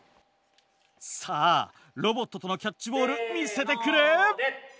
さあロボットとのキャッチボール見せてくれ！